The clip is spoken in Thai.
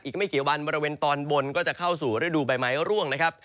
อีกไม่กี่วันบริเวณตอนบนก็จะเข้าสู่ฤดูใบไม้ร่วงนะครับ